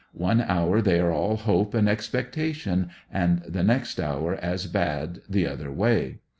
One hour they are all hope and expectation and the next hour as bad the other way.